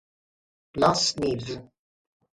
Las Nieves